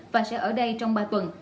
và sẽ ở đây trong ba tuần